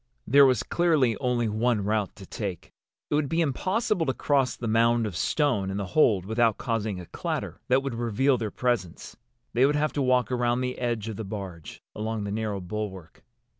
There was clearly only one route to take. It would be impossible to cross the mound of stone in the hold without causing a clatter that would reveal their presence. They would have to walk around the edge of the barge, along the narrow bulwark.